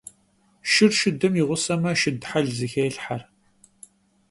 Шыр шыдым игъусэмэ, шыд хьэл зыхелъхьэ.